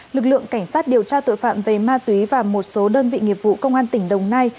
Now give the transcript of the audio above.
lực lượng cảnh sát điều tra tội phạm về ma túy và một số đơn vị nghiệp vụ công an tỉnh đồng nai